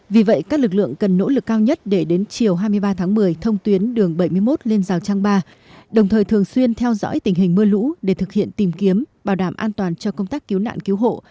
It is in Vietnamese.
vì vậy các lực lượng cần nỗ lực cao nhất để đến chiều hai mươi ba tháng một mươi thông tuyến đường bảy mươi một lên rào trang ba đồng thời thường xuyên theo dõi tình hình mưa lũ để thực hiện tìm kiếm bảo đảm an toàn cho công tác cứu nạn cứu hộ